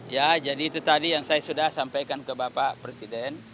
ya jadi itu tadi yang saya sudah sampaikan ke bapak presiden